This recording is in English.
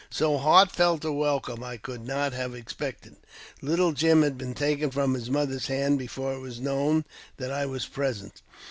So heartfelt a welcome I could ni have expected. Little Jim had been taken from his moth hand before it was known that I was present.